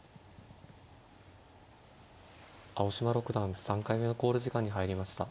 青嶋六段３回目の考慮時間に入りました。